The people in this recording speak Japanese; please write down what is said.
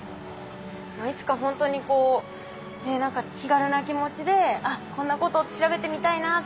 いつかほんとにこう何か気軽な気持ちであっこんなことを調べてみたいなっていう。